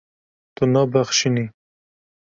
Tu nabexşînî.